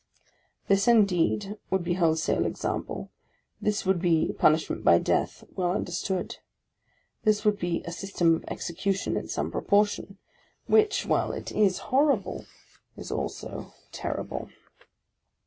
This indeed would be wholesale example ; this would be " pun ishment by death," well understood; this would be a system of execution in some proportion, — which, while it is horrible, is also terrible